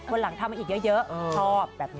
วันหลังทำมาอีกเยอะชอบ